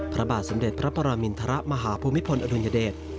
พระบาทสมเด็จพระปรมินทรมาหาภูมิพลอดุลยเดช